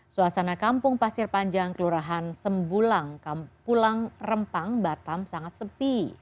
suasana kampung pasir panjang kelurahan sembulang pulang rempang batam sangat sepi